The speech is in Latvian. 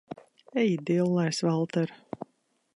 Ej dillēs, Valter!